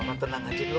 ya mama tenang aja dulu